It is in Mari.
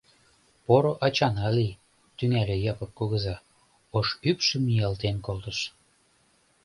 — Поро ачана лий, — тӱҥале Япык кугыза, ош ӱпшым ниялтен колтыш.